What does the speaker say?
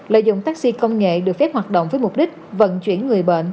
lợi dụng taxi công nghệ được phép hoạt động với mục đích vận chuyển người bệnh